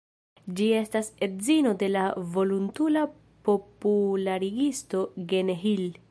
Ŝi estas edzino de la volontula popularigisto "Gene Hill".